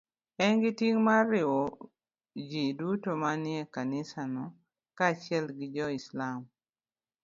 En gi ting' mar riwo ji duto manie kanisano kaachiel gi joislam.